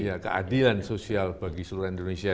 ya keadilan sosial bagi seluruh indonesia